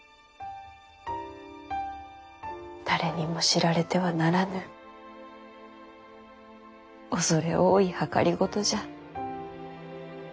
誰にも知られてはならぬ恐れ多い謀じゃ。